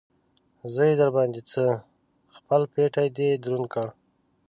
زه يې در باندې څه؟! خپل پټېی دې دروند کړ.